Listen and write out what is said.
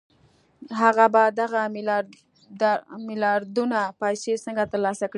هغه به دغه میلیاردونه پیسې څنګه ترلاسه کړي